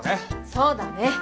そうだね。